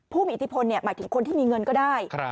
ผู้มีอิทธิพลหมายถึงคนที่มีเงินก็ได้